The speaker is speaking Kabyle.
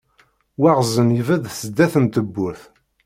Waɣzen ibedd sdat n tewwurt.